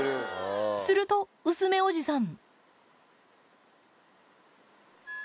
すると、薄目おじさん。